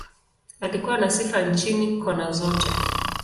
Alikuwa na sifa nchini, kona zote.